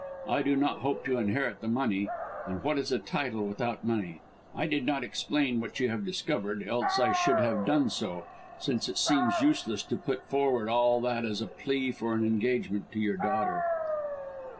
I do not hope to inherit the money, and what is a title without money? I did not explain what you have discovered, else I should have done so, since it seemed useless to put forward all that as a plea for an engagement to your daughter."